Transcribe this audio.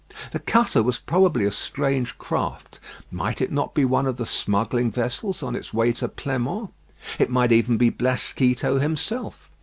The cutter was probably a strange craft. Might it not be one of the smuggling vessels on its way to Pleinmont? It might even be Blasquito himself.